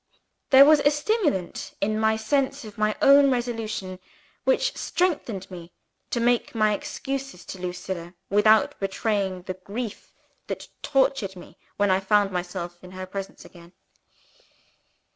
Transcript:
There was a stimulant in my sense of my own resolution which strengthened me to make my excuses to Lucilla, without betraying the grief that tortured me when I found myself in her presence again.